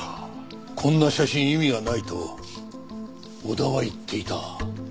こんな写真意味はないと小田は言っていた。